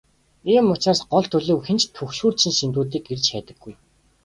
Ийм учраас гол төлөв хэн ч түгшүүрт шинж тэмдгүүдийг эрж хайдаггүй.